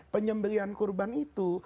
penyembelian kurban itu